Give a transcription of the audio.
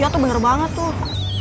dia tuh bener banget tuh